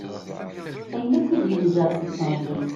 Ayen akk i d-yenǧer deg temẓi-s.